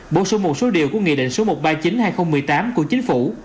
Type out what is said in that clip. bổ sung một số điều của nghị định số một trăm ba mươi chín hai nghìn một mươi tám của chính phủ